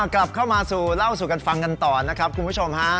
กลับเข้ามาสู่เล่าสู่กันฟังกันต่อนะครับคุณผู้ชมฮะ